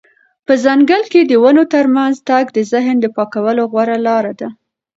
په ځنګل کې د ونو ترمنځ تګ د ذهن د پاکولو غوره لاره ده.